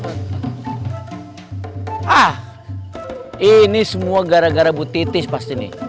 ah ini semua gara gara bu titis pasti nih